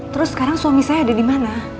terus sekarang suami saya ada dimana